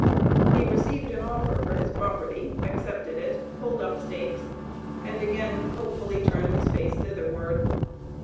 He received an offer for his property, accepted it, pulled up stakes, and again hopefully turned his face thitherward.